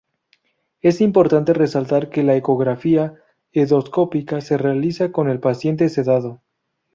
Es importante resaltar que la ecografía endoscópica se realiza con el paciente sedado.